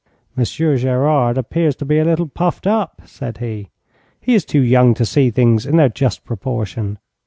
'Monsieur Gerard appears to be a little puffed up,' said he. 'He is too young to see things in their just proportion.